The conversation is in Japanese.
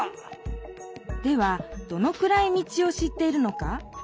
ではどのくらい道を知っているのか？